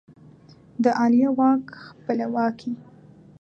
د عالیه واک خپلواکي